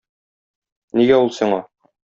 Нигә ул сиңа?